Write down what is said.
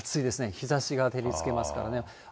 日ざしが照りつけますからね。